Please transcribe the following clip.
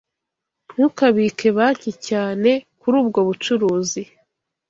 Ntukabike banki cyane kuri ubwo bucuruzi.